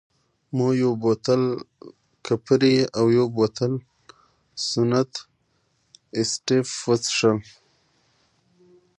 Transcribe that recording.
مو یو بوتل کپري او یو بوتل سنت اېسټېف وڅېښل.